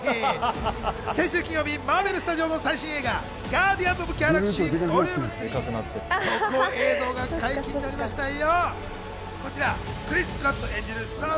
先週金曜日、マーベル・スタジオの最新映画『ガーディアンズ・オブ・ギャラクシー：ＶＯＬＵＭＥ３』の特報映像が解禁になりましたよ。